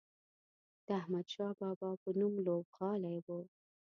د احمدشاه بابا په نوم لوبغالی و.